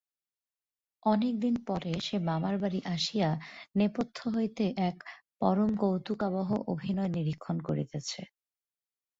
অনেক দিন পরে সে মামার বাড়ি আসিয়া নেপথ্য হইতে এক পরমকৌতুকাবহ অভিনয় নিরীক্ষণ করিতেছে।